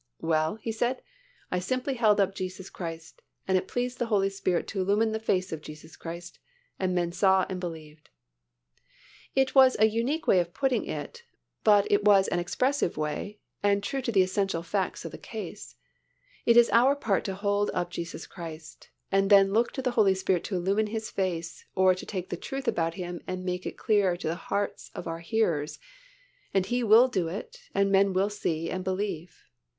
"Well," he said, "I simply held up Jesus Christ and it pleased the Holy Spirit to illumine the face of Jesus Christ, and men saw and believed." It was a unique way of putting it but it was an expressive way and true to the essential facts in the case. It is our part to hold up Jesus Christ, and then look to the Holy Spirit to illumine His face or to take the truth about Him and make it clear to the hearts of our hearers and He will do it and men will see and believe.